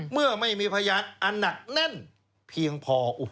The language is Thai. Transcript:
เมื่อไม่มีพยานอันหนักแน่นเพียงพอ